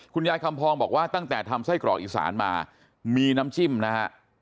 คุณยายคำพองบอกว่าตั้งแต่ทำไส้กรอกอีสานมามีน้ำจิ้มนะฮะ